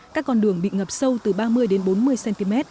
các con đường bị ngập sâu từ ba mươi đến bốn mươi cm